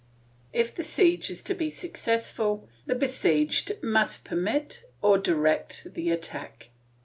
If the siege is to be successful, the besieged must permit or direct the attack.